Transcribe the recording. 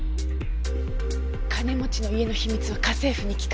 金持ちの家の秘密は家政婦に聞く。